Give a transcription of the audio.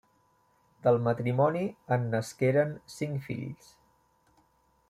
Del matrimoni en nasqueren cinc fills.